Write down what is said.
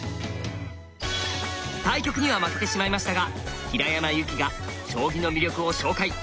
対局には負けてしまいましたが平山遊季が将棋の魅力を紹介！